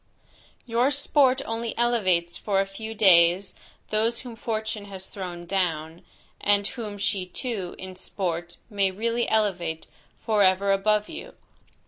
Your sport only elevates for a few days, those whom fortune has thrown down, and whom she too, in sport, may really elevate forever above you.